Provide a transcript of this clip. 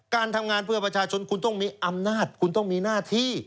การทำงานเพื่อประชาชนคุณต้องมีอำนาจคุณต้องมีหน้าที่